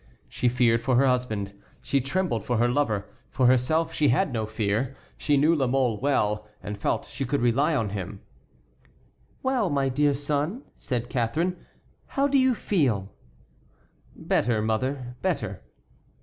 She feared for her husband, she trembled for her lover. For herself she had no fear; she knew La Mole well, and felt she could rely on him. "Well, my dear son," said Catharine, "how do you feel?" "Better, mother, better."